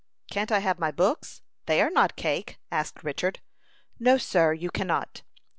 "Can't I have my books? They are not cake," asked Richard. "No, sir; you cannot.